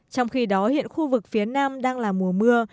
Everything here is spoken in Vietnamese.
trong khi đó hiện khu vực phía nam đang là mùa mưa